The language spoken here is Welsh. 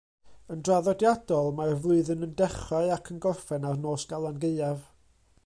Yn draddodiadol, mae'r flwyddyn yn dechrau ac yn gorffen ar Nos Galan Gaeaf.